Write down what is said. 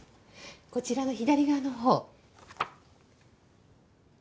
こちらの左側の方。